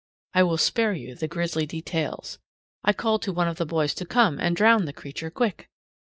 I will spare you the grisly details. I called to one of the boys to come and drown the creature quick!